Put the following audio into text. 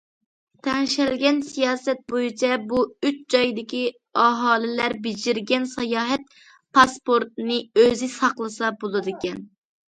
تەڭشەلگەن سىياسەت بويىچە، بۇ ئۈچ جايدىكى ئاھالىلەر بېجىرگەن ساياھەت پاسپورتنى ئۆزى ساقلىسا بولىدىكەن.